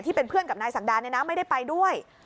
เพื่อนกับนายศักดาเนี่ยนะไม่ได้ไปด้วย